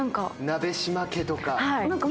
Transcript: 鍋島家とか。